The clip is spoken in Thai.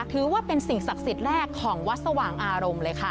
ถือว่าเป็นสิ่งศักดิ์สิทธิ์แรกของวัดสว่างอารมณ์เลยค่ะ